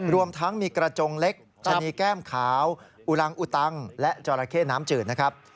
รวมทั้งมีกระจงเล็กชะนีแก้มขาวอุรังอุตังและจราเข้น้ำจืดนะครับ